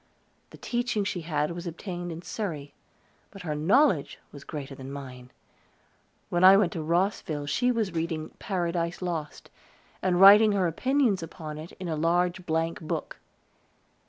The teaching she had was obtained in Surrey. But her knowledge was greater than mine. When I went to Rosville she was reading "Paradise Lost," and writing her opinions upon it in a large blank book.